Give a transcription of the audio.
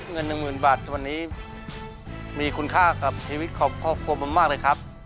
เงิน๑๐๐๐๐บาทวันนี้มีคุณค่ากับชีวิตครอบครอบครัวมากเลยครับ